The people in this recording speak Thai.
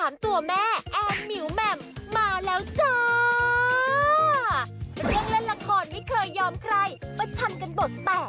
มันไม่ธรรมดา